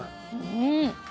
うん！